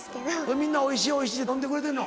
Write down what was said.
みんなおいしいおいしいって飲んでくれてんの？